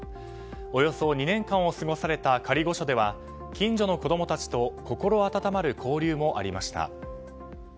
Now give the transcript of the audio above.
およそ２年間を過ごされた仮御所では近所の子供たちと心温まる交流もありました。